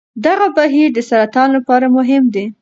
دغه بهیر د سرطان لپاره مهم دی.